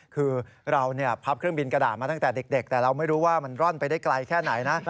คือเราพับเครื่องบินกระดาษมาตั้งแต่เด็กแต่เราไม่รู้ว่ามันร่อนไปได้ไกลแค่ไหนนะ